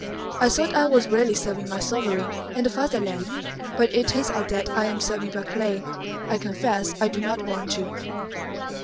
I thought I was really serving my sovereign and the Fatherland, but it turns out that I am serving Barclay. I confess I do not want to."